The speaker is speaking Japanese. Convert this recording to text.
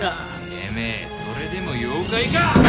てめえそれでも妖怪か！？